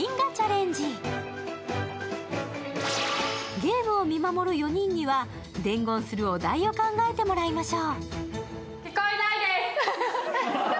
ゲームを見守る４人には、伝言するお題を考えてもらいましょう。